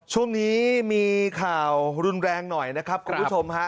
ช่วงนี้มีข่าวรุนแรงหน่อยนะครับคุณผู้ชมฮะ